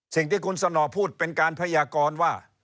สิ่งที่คุณสนอพูดเป็นการพยากรว่า